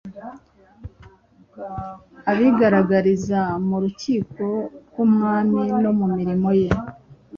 abigaragariza mu Rukiko rw’Umwami no mu mirimo ye